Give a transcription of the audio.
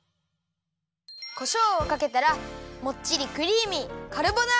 こしょうをかけたらもっちりクリーミー